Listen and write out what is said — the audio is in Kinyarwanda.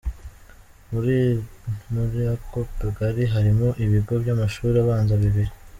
Mu ri ako kagari harimo ibigo by’amashuri abanza bibiri.